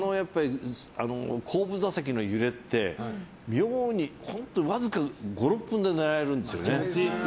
後部座席の揺れって妙に、本当にわずか５６分で寝られるんですね。